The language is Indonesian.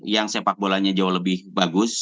yang sepakbolanya jauh lebih bagus